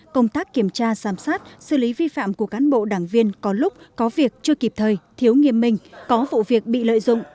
công tác kiểm tra giám sát xử lý vi phạm của cán bộ đảng viên có lúc có việc chưa kịp thời thiếu nghiêm minh có vụ việc bị lợi dụng